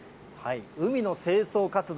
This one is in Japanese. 海の清掃活動